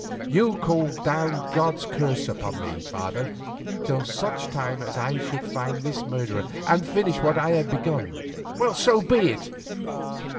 You called down God's curse upon me, father, till such time as I should find this murderer and finish what I had begun. So be it!